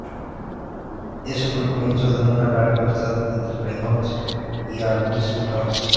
Ese fue el comienzo de una larga amistad entre Reynolds y Albizu Campos.